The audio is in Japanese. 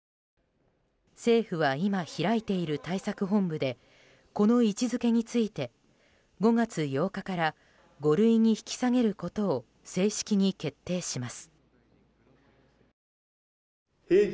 政府は今、開いている対策本部でこの位置づけについて５月８日から五類に引き下げることを正式に決定します。